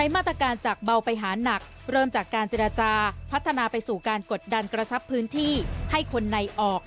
ไม่กฤทธิ์ของสงฆ์